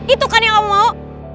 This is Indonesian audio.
itu kan yang kamu mau